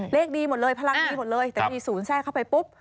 เลขดีหมดเลยพลังดีหมดเลยแต่มีศูนย์แทรกเข้าไปปุ๊บ